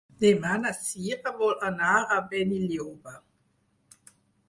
Demà na Cira vol anar a Benilloba.